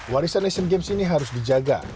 warisan asian games ini harus dijaga